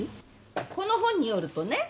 この本によるとね